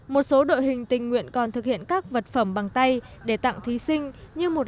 một số đội hình tình nguyện còn thực hiện các vật phẩm bằng tay để tặng thí sinh như một